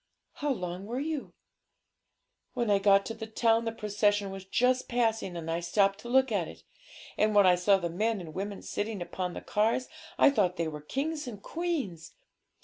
'How long were you?' 'When I got to the town the procession was just passing, and I stopped to look at it. And when I saw the men and women sitting upon the cars, I thought they were kings and queens.